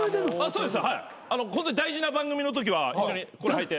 そうですはい大事な番組のときは一緒にこれはいて。